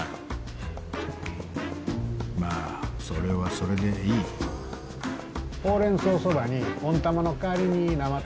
まあそれはそれでいいほうれん草そばに温玉の代わりに生卵落として。